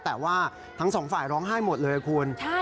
แต่ว่าทั้งสองฝ่ายร้องไห้หมดเลยคุณ